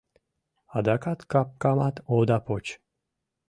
Адакат капкамат ода поч.